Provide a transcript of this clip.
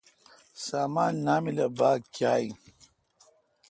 سامان نامل اؘ باگ کیااین۔